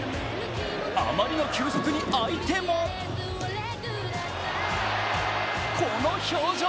あまりの球速に相手もこの表情。